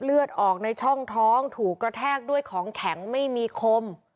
เลือดออกในช่องท้องถูกกระแทกด้วยของแข็งไม่มีคม